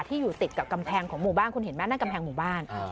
อยู่ติดกับกำแพงของหมู่บ้านคุณเห็นไหมนั่นกำแพงหมู่บ้าน